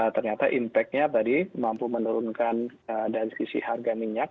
ternyata impact nya tadi mampu menurunkan dari sisi harga minyak